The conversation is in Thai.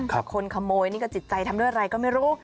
คนขโมยนี่ก็จิตใจทำด้วยอะไรก็ไม่รู้